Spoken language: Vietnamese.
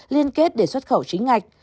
liên kết để xuất khẩu chính ngạch